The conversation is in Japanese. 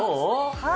はい！